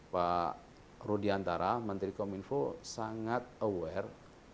pak rudiantara menteri kominfo sangat aware